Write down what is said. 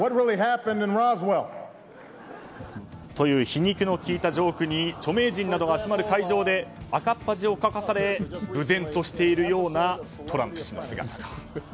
皮肉のきいたジョークに著名人などが集まる会場で赤っ恥をかかされ憮然としているようなトランプ氏の姿。